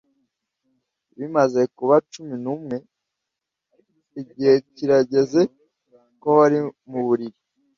Bimaze kuba cumi n'umwe. Igihe kirageze ko wari mu buriri.